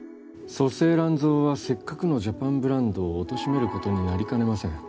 粗製乱造はせっかくのジャパンブランドをおとしめることになりかねません